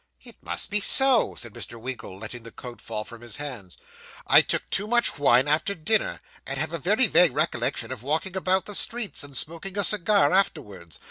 'It must be so,' said Mr. Winkle, letting the coat fall from his hands. 'I took too much wine after dinner, and have a very vague recollection of walking about the streets, and smoking a cigar afterwards.